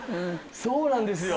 そうなんですよ。